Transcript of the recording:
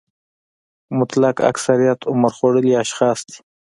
مطلق اکثریت عمر خوړلي اشخاص دي.